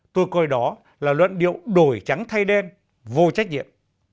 tôi coi đó là luận điệu đổi trắng thay đen vô trách nhiệm